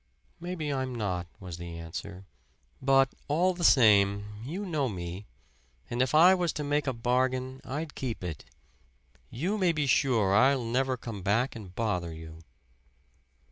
"Maybe I'm not," was the answer; "but all the same you know me. And if I was to make a bargain I'd keep it. You may be sure I'll never come back and bother you."